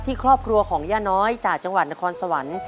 ครอบครัวของย่าน้อยจากจังหวัดนครสวรรค์